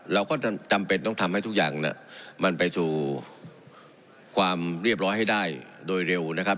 เราก็จำเป็นต้องทำให้ทุกอย่างมันไปสู่ความเรียบร้อยให้ได้โดยเร็วนะครับ